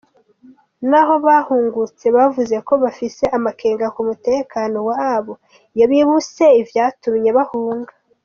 Naho bahungutse, bavuze ko bafise amakenga ku mutekano wabo iyo bibutse ivyatumye bahunga.